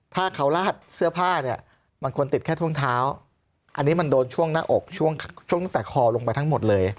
ถ้าเขาลาดเสื้อผ้าเนี่ยมันควรติดแค่ช่วงเท้าอันนี้มันโดนช่วงหน้าอกช่วงตั้งแต่คอลงไปทั้งหมดเลย